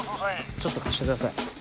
ちょっと貸してください。